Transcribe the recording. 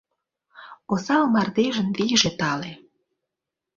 Осал мардежын вийже — тале.